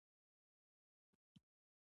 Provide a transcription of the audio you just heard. ښخ دي ارمانونه، نظر وکړه شاوخواته